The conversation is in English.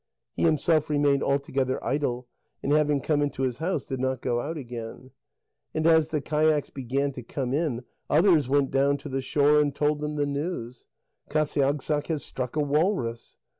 He himself remained altogether idle, and having come into his house, did not go out again. And as the kayaks began to come in, others went down to the shore and told them the news: "Qasiagssaq has struck a walrus."